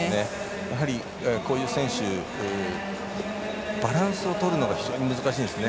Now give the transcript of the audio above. やはりこういう選手バランスをとるのが非常に難しいんですね。